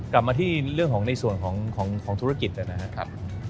กลับมาที่เรื่องของในส่วนของธุรกิจนะครับ